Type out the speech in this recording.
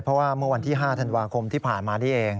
เพราะว่าเมื่อวันที่๕ธันวาคมที่ผ่านมานี่เอง